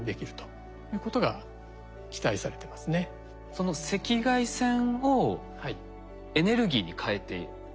その赤外線をエネルギーに変えていく。